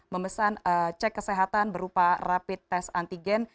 memesan cek kesehatan berupa rapid test antigen